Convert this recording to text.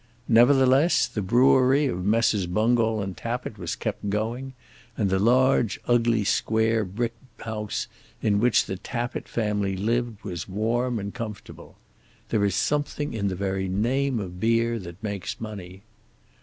Nevertheless the brewery of Messrs. Bungall and Tappitt was kept going, and the large ugly square brick house in which the Tappitt family lived was warm and comfortable. There is something in the very name of beer that makes money.